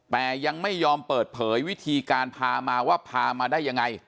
แต่ยังไม่ยอมเปิดเผยวิธีการพามาว่าพามาได้ยังไง